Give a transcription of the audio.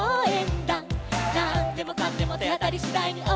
「なんでもかんでもてあたりしだいにおうえんだ！！」